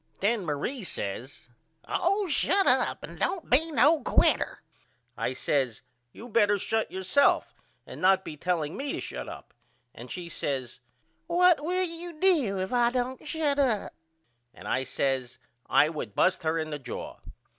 Then Marie says Oh, shut up and don't be no quiter. I says You better shut up yourself and not be telling me to shut up, and she says What will you do if I don't shut up? And I says I would bust her in the jaw.